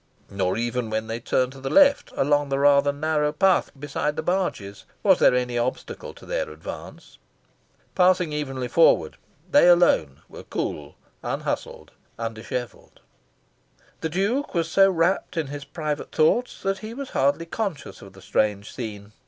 Nor even when they turned to the left, along the rather narrow path beside the barges, was there any obstacle to their advance. Passing evenly forward, they alone were cool, unhustled, undishevelled. The Duke was so rapt in his private thoughts that he was hardly conscious of the strange scene.